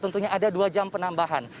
tentunya ada dua jam penambahan